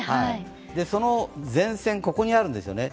その前線、ここにあるんですよね